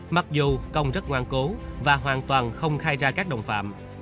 mặc dù công rất ngoan cố và hoàn toàn không khai ra các đồng phạm